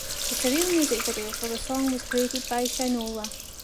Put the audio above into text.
The surreal music video for the song was created by Shynola.